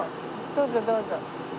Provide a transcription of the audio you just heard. どうぞどうぞ。